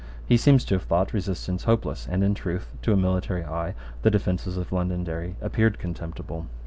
He seems to have thought resistance hopeless; and in truth, to a military eye, the defences of Londonderry appeared contemptible.